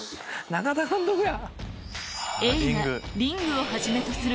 中田監督や！